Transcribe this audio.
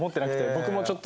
僕もちょっと。